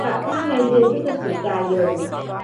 กระทั่งในเดือนพฤศจิกายน